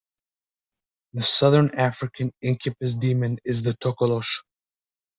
The Southern African incubus demon is the Tokolosh.